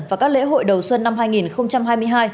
và các lễ hội đầu xuân năm hai nghìn hai mươi hai